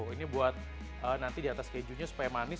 ini buat nanti di atas kejunya supaya manis